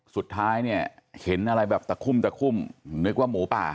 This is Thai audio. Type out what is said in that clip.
สุดท้ายเนี่ยเห็นอะไรแบบตะคุ่มตะคุ่มนึกว่าหมูป่า